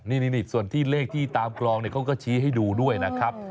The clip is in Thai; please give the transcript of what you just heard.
นี่ส่วนที่เลขที่ตามกลองเขาก็ชี้ให้ดูด้วยนะครับ